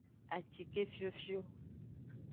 Acike fiofio.